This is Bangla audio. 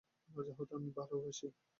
রাজা হতে আমি ভালোবাসি।